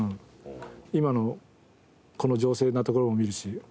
今のこの情勢なところも見るし。